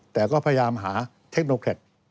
แต่ก็พยายามหาเทคโนแครต